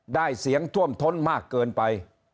เสียงท่วมท้นมากเกินไป